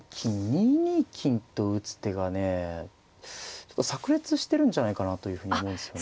２二金と打つ手がねさく裂してるんじゃないかなというふうに思うんですよね。